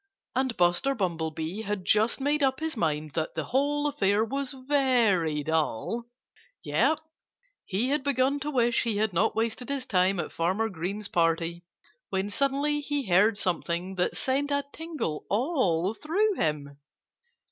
And Buster Bumblebee had just made up his mind that the whole affair was very dull! Yes! he had begun to wish he had not wasted his time at Farmer Green's party, when suddenly he heard something that sent a tingle all through him.